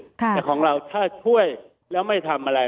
แต่ของเราถ้าช่วยแล้วไม่ทำอะไร